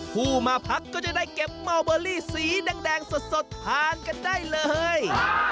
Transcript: ผู้มาพักก็จะได้เก็บเมาเบอรี่สีแดงสดทานกันได้เลย